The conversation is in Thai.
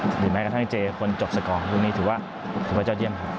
หรือแม้กระทั่งเจคนจบสกอร์พวกนี้ถือว่าถือว่ายอดเยี่ยมครับ